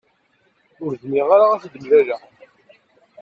Ur dmiɣ ara ad t-id-mlaleɣ.